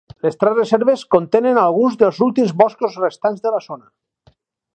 Les tres reserves contenen alguns dels últims boscos restants de la zona.